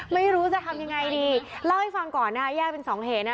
ไม่รู้จะทำยังไงดีเล่าให้ฟังก่อนนะคะแยกเป็นสองเหตุนะ